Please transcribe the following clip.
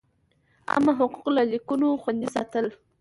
عامه حقوق لکه لیکونو خوندي ساتل.